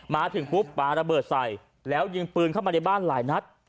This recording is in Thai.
มาถึงปุ๊บปลาระเบิดใส่แล้วยิงปืนเข้ามาในบ้านหลายนัด